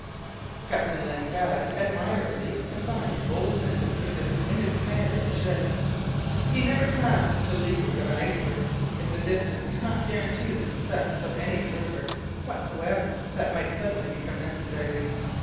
Captain Len Guy admirably combined boldness and prudence in his command of his ship. He never passed to leeward of an iceberg, if the distance did not guarantee the success of any manoeuvre whatsoever that might suddenly become necessary.